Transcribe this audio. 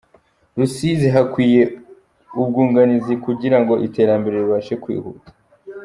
Rusizi Hakwiye ubwunganizi kugira ngo iterambere ribashe kwihuta